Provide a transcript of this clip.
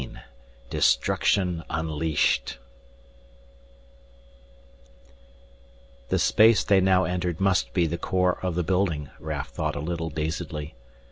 17 DESTRUCTION UNLEASHED The space they now entered must be the core of the building, Raf thought a little dazedly.